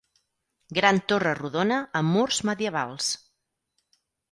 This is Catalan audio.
Gran torre rodona amb murs medievals.